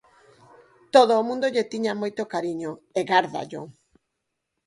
Todo o mundo lle tiña moito cariño e gárdallo.